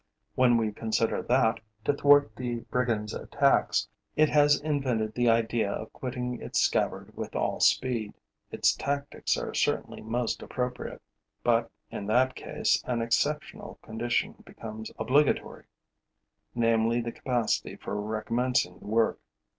When we consider that, to thwart the brigand's attacks, it has invented the idea of quitting its scabbard with all speed, its tactics are certainly most appropriate; but, in that case, an exceptional condition becomes obligatory, namely, the capacity for recommencing the work.